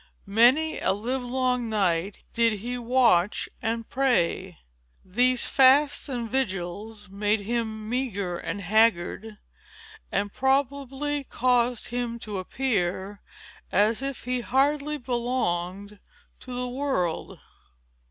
Many a live long night did he watch and pray. These fasts and vigils made him meagre and haggard, and probably caused him to appear as if he hardly belonged to the world."